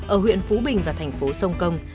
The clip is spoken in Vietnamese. ở huyện phú bình và thành phố sông công